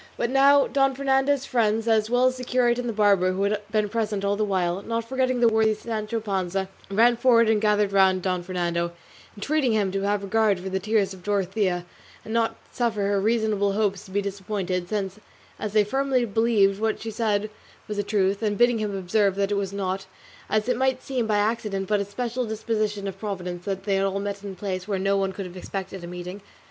But now Don Fernando's friends, as well as the curate and the barber, who had been present all the while, not forgetting the worthy Sancho Panza, ran forward and gathered round Don Fernando, entreating him to have regard for the tears of Dorothea, and not suffer her reasonable hopes to be disappointed, since, as they firmly believed, what she said was but the truth; and bidding him observe that it was not, as it might seem, by accident, but by a special disposition of Providence that they had all met in a place where no one could have expected a meeting.